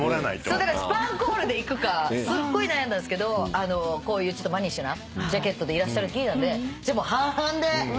だからスパンコールでいくかすっごい悩んだんですけどこういうマニッシュなジャケットでいらっしゃる聞いたんで半々で。